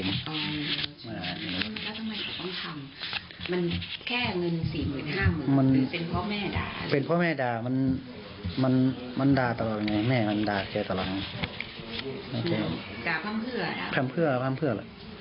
มันเกี่ยวกับเรื่องที่แม่จะหายบ้านเลยหรือ